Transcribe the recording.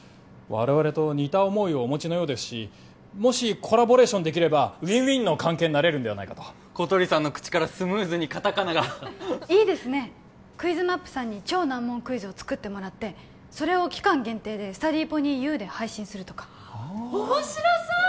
我々と似た思いをお持ちのようですしもしコラボレーションできればウィンウィンの関係になれるのではないかと小鳥さんの口からスムーズにカタカナがいいですねクイズマップさんに超難問クイズを作ってもらってそれを期間限定でスタディーポニーＵで配信するとか面白そう！